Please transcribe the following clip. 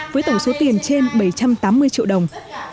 với tổng số tiền trên bảy trăm tám mươi triệu đồng